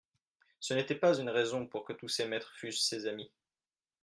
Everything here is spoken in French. Ce n'était pas une raison pour que tous ses maîtres fussent ses amis.